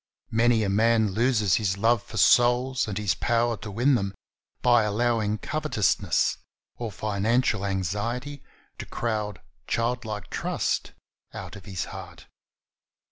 Many a man loses his love for souls and his power to win them by allowing covet ousness or financial anxiety to crowd childlike trust out of his heart.